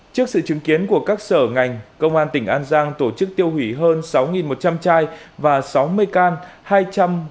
trước sự chứng kiến của các sở ngành công an tỉnh an giang tổ chức tiêu hủy hơn sáu một trăm linh chai và sáu mươi can